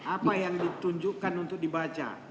apa yang ditunjukkan untuk dibaca